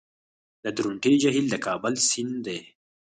د درونټې جهیل د کابل سیند دی